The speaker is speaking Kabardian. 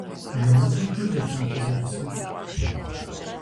Жэнэтым хуэдэщ мы фызэрысыр.